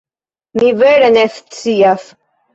Mi vere ne scias.